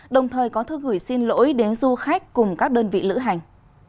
đồng thời có thư gửi xin lỗi đến du khách cùng các đơn vị lữ hành